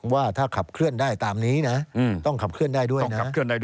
ว่าถ้าขับเคลื่อนได้ตามนี้นะต้องขับเคลื่อนได้ด้วยนะครับ